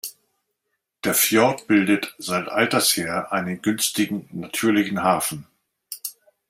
Der Fjord bildet seit alters her einen günstigen natürlichen Hafen.